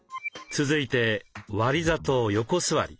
続いて割座と横座り。